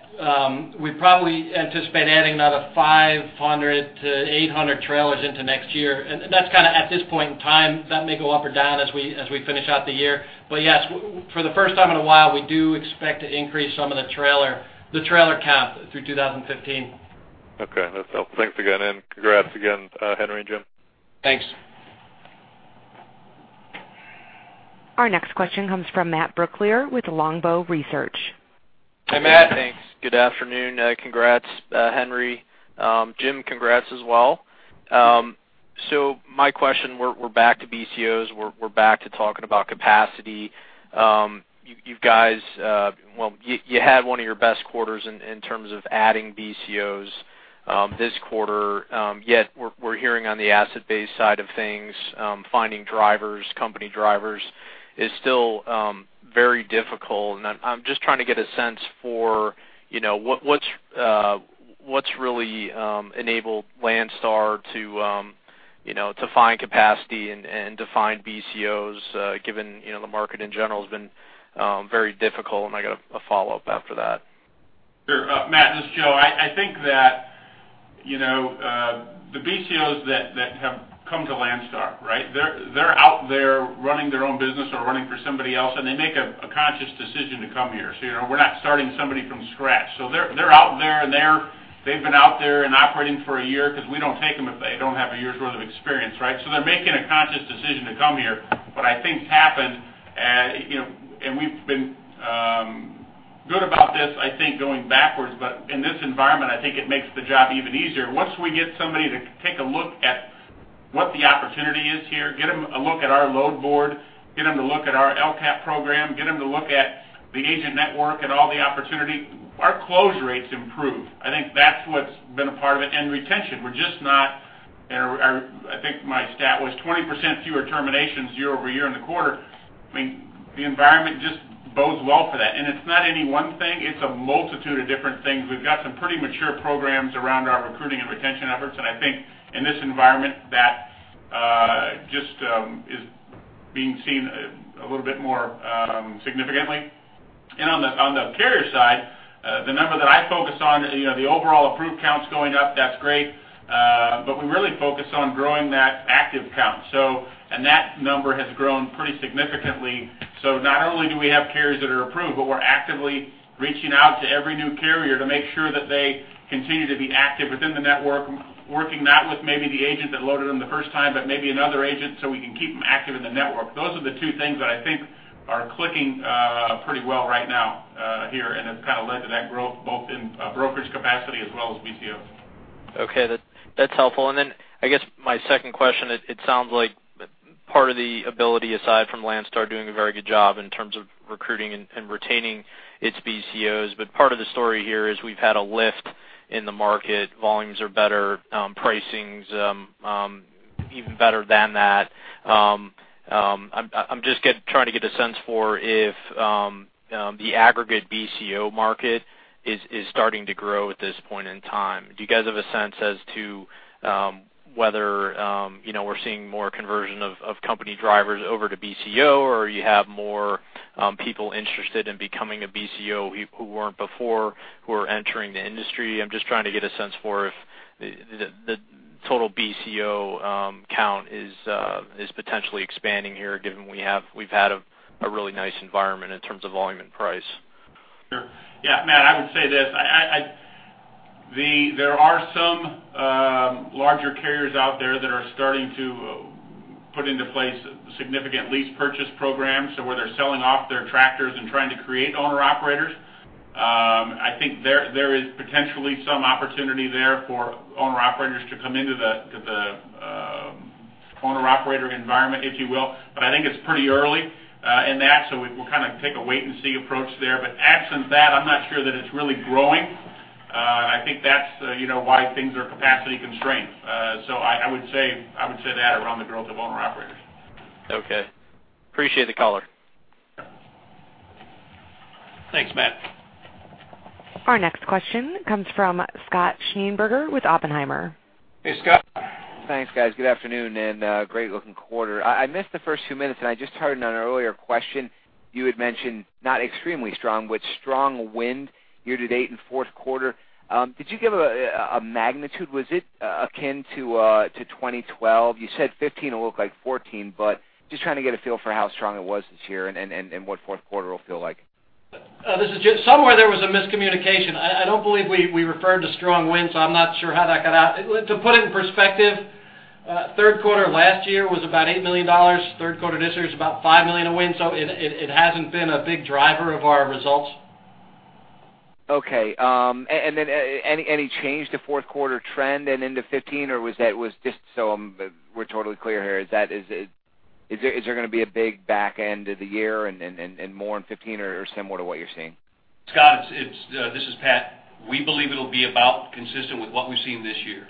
we probably anticipate adding another 500-800 trailers into next year. And that's kind of at this point in time. That may go up or down as we finish out the year. But yes, for the first time in a while, we do expect to increase some of the trailer count through 2015. Okay. That's helpful. Thanks again. Congrats again, Henry and Jim. Thanks.
Our next question comes from Matt Brooklier with Longbow Research.
Hey, Matt. Thanks. Good afternoon. Congrats, Henry. Jim, congrats as well. So my question, we're back to BCOs. We're back to talking about capacity. You guys, well, you had one of your best quarters in terms of adding BCOs this quarter. Yet we're hearing on the asset-based side of things, finding drivers, company drivers, is still very difficult. And I'm just trying to get a sense for what's really enabled Landstar to find capacity and to find BCOs, given the market in general has been very difficult. And I got a follow-up after that. Sure. Matt, this is Joe. I think that the BCOs that have come to Landstar, right, they're out there running their own business or running for somebody else, and they make a conscious decision to come here. So we're not starting somebody from scratch. So they're out there, and they've been out there and operating for a year because we don't take them if they don't have a year's worth of experience, right? So they're making a conscious decision to come here. What I think's happened, and we've been good about this, I think, going backwards, but in this environment, I think it makes the job even easier. Once we get somebody to take a look at what the opportunity is here, get them a look at our load board, get them to look at our LCAPP program, get them to look at the agent network and all the opportunity. Our close rates improve. I think that's what's been a part of it. And retention. We're just not, and I think my stat was 20% fewer terminations year-over-year in the quarter. I mean, the environment just bodes well for that. And it's not any one thing. It's a multitude of different things. We've got some pretty mature programs around our recruiting and retention efforts. And I think in this environment, that just is being seen a little bit more significantly. And on the carrier side, the number that I focus on, the overall approved counts going up, that's great. But we really focus on growing that active count. And that number has grown pretty significantly. So not only do we have carriers that are approved, but we're actively reaching out to every new carrier to make sure that they continue to be active within the network, working not with maybe the agent that loaded them the first time, but maybe another agent so we can keep them active in the network. Those are the two things that I think are clicking pretty well right now here, and it's kind of led to that growth both in brokerage capacity as well as BCOs. Okay. That's helpful. And then I guess my second question, it sounds like part of the ability, aside from Landstar doing a very good job in terms of recruiting and retaining its BCOs, but part of the story here is we've had a lift in the market. Volumes are better, pricings even better than that. I'm just trying to get a sense for if the aggregate BCO market is starting to grow at this point in time. Do you guys have a sense as to whether we're seeing more conversion of company drivers over to BCO, or you have more people interested in becoming a BCO who weren't before, who are entering the industry? I'm just trying to get a sense for if the total BCO count is potentially expanding here, given we've had a really nice environment in terms of volume and price. Sure. Yeah. Matt, I would say this. There are some larger carriers out there that are starting to put into place significant lease purchase programs, so where they're selling off their tractors and trying to create owner-operators. I think there is potentially some opportunity there for owner-operators to come into the owner-operator environment, if you will. But I think it's pretty early in that, so we'll kind of take a wait-and-see approach there. But absent that, I'm not sure that it's really growing. I think that's why things are capacity constrained. So I would say that around the growth of owner-operators. Okay. Appreciate the caller. Thanks, Matt.
Our next question comes from Scott Schneeberger with Oppenheimer.
Hey, Scott.
Thanks, guys. Good afternoon and great-looking quarter. I missed the first few minutes, and I just heard in an earlier question you had mentioned not extremely strong, but strong wind year to date in fourth quarter. Did you give a magnitude? Was it akin to 2012? You said 2015 will look like 2014, but just trying to get a feel for how strong it was this year and what fourth quarter will feel like. This is Jim. Somewhere there was a miscommunication. I don't believe we referred to strong wind, so I'm not sure how that got out. To put it in perspective, third quarter last year was about $8 million. Third quarter this year is about $5 million of wind. So it hasn't been a big driver of our results. Okay. And then any change to fourth quarter trend and into 2015, or was that just so we're totally clear here, is there going to be a big back end of the year and more in 2015 or similar to what you're seeing? Scott, this is Pat. We believe it'll be about consistent with what we've seen this year.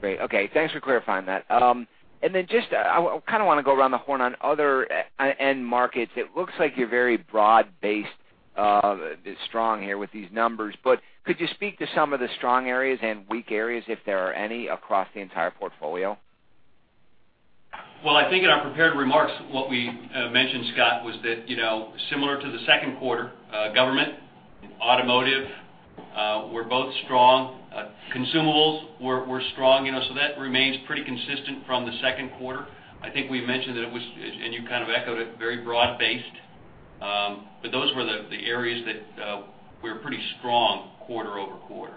Great. Okay. Thanks for clarifying that. And then just I kind of want to go around the horn on other end markets. It looks like you're very broad-based strong here with these numbers, but could you speak to some of the strong areas and weak areas, if there are any, across the entire portfolio? Well, I think in our prepared remarks, what we mentioned, Scott, was that similar to the second quarter, government, automotive were both strong. Consumables were strong. So that remains pretty consistent from the second quarter. I think we mentioned that it was, and you kind of echoed it, very broad-based. But those were the areas that were pretty strong quarter-over-quarter.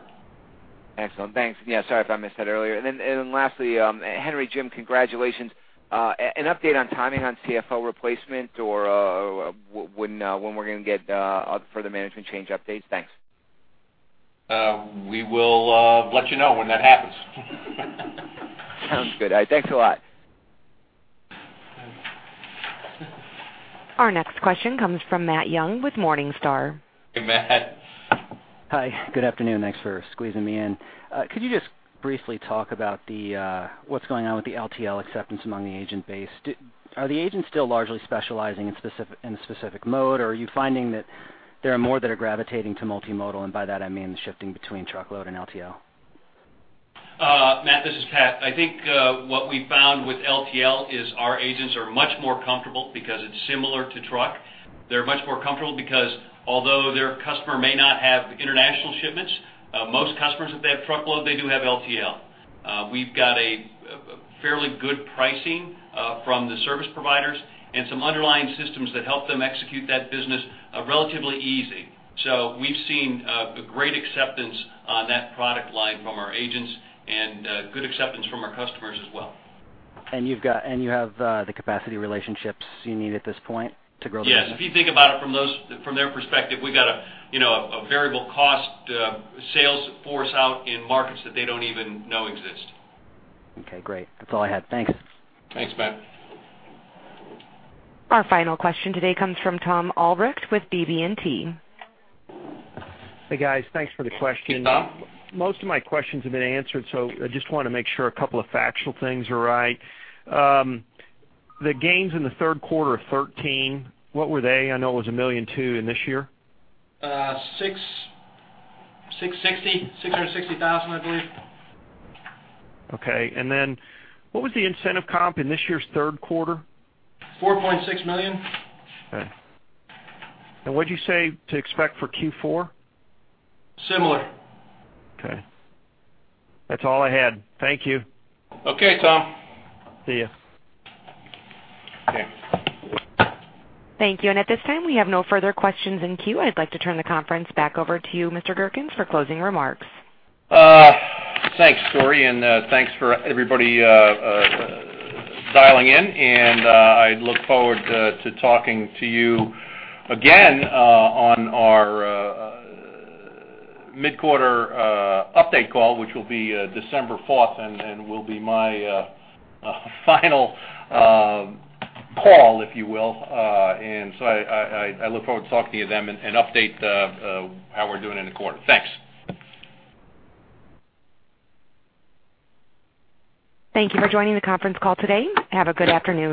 Excellent. Thanks. Yeah. Sorry if I missed that earlier. And then lastly, Henry, Jim, congratulations. An update on timing on CFO replacement or when we're going to get further management change updates? Thanks.
We will let you know when that happens.
Sounds good. All right. Thanks a lot.
Our next question comes from Matt Young with Morningstar.
Hey, Matt.
Hi. Good afternoon. Thanks for squeezing me in. Could you just briefly talk about what's going on with the LTL acceptance among the agent base? Are the agents still largely specializing in a specific mode, or are you finding that there are more that are gravitating to multimodal? And by that, I mean the shifting between truckload and LTL.
Matt, this is Pat. I think what we found with LTL is our agents are much more comfortable because it's similar to truck. They're much more comfortable because although their customer may not have international shipments, most customers, if they have truckload, they do have LTL. We've got a fairly good pricing from the service providers and some underlying systems that help them execute that business relatively easy. So we've seen a great acceptance on that product line from our agents and good acceptance from our customers as well.
You have the capacity relationships you need at this point to grow the business?
Yes. If you think about it from their perspective, we've got a variable cost sales force out in markets that they don't even know exist.
Okay. Great. That's all I had. Thanks.
Thanks, Matt.
Our final question today comes from Thom Albrecht with BB&T.
Hey, guys. Thanks for the question.
Hey, Scott.
Most of my questions have been answered, so I just want to make sure a couple of factual things are right. The gains in the third quarter of 2013, what were they? I know it was $1.2 million in this year.
$660, $660,000, I believe.
Okay. And then what was the incentive comp in this year's third quarter?
4.6 million.
Okay. What'd you say to expect for Q4?
Similar.
Okay. That's all I had. Thank you.
Okay, Thom.
See you.
Okay.
Thank you. At this time, we have no further questions in queue. I'd like to turn the conference back over to you, Mr. Gerkens, for closing remarks.
Thanks, Corey. And thanks for everybody dialing in. And I look forward to talking to you again on our mid-quarter update call, which will be December 4th and will be my final call, if you will. And so I look forward to talking to you then and update how we're doing in the quarter. Thanks.
Thank you for joining the conference call today. Have a good afternoon.